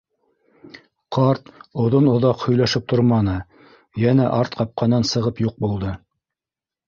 - Ҡарт оҙон-оҙаҡ һөйләшеп торманы, йәнә арт ҡапҡанан сығып юҡ булды.